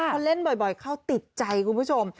พอเล่นบ่อยเข้าติดใจคุณผู้ชม